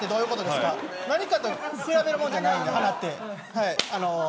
何かと比べるものじゃないんで。